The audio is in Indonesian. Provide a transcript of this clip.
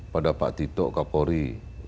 pada pak tito kapori